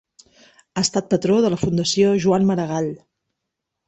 Ha estat patró de la Fundació Joan Maragall.